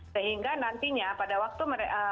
sehingga nantinya pada waktu